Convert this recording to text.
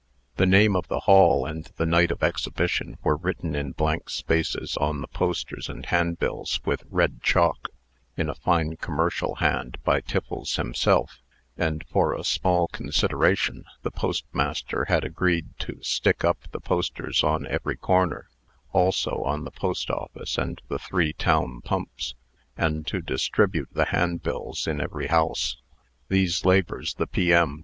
The name of the hall and the night of exhibition were written in blank spaces on the posters and handbills with red chalk, in a fine commercial hand, by Tiffles himself; and, for a small consideration, the postmaster had agreed to stick up the posters on every corner; also on the post office and the three town pumps; and to distribute the handbills in every house. These labors the P.M.